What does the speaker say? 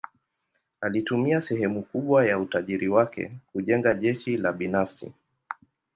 Alitumia sehemu kubwa ya utajiri wake kujenga jeshi la binafsi.